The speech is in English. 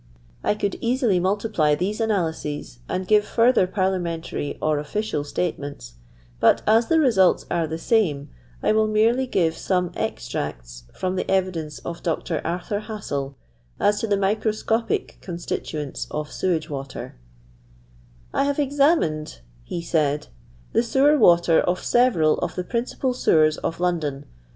I could easily multiply these analyses, and give further parliamentary or official statements, but, as the results are the same, I will merely give some extracts from the evidence of Dr. Arthur Hossall, as to the microscopic constituents of sewage water :—" I have examined,'' he said, " the sewer water of several of the principal sewers of London.